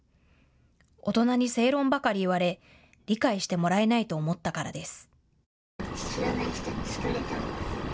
大人に正論ばかり言われ理解してもらえないと思ったからです。